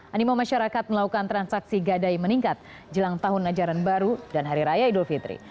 animo masyarakat melakukan transaksi gadai meningkat jelang tahun ajaran baru dan hari raya idul fitri